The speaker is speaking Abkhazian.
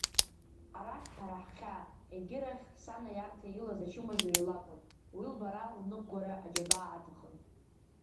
Арахь, ҳара ҳхьаа, агьырахь, сан аиарҭа илаз ачымазаҩы лакәын уи лбара лныҟәгара аџьабаа аҭахын.